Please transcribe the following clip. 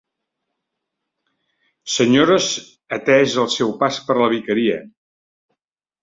Senyores, atès el seu pas per la vicaria.